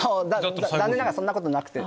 残念ながらそんなことなくて。